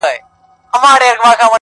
په خوښۍ مستي یې ورځي تېرولې،